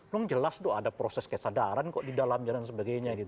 nong jelas dong ada proses kesadaran kok di dalam dan sebagainya gitu